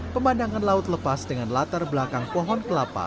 pemandangan laut lepas dengan latar belakang pohon kelapa